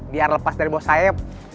biar lepas dari bawah saya